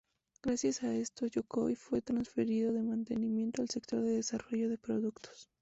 Gracias a esto, Yokoi fue transferido de mantenimiento al sector de desarrollo de productos.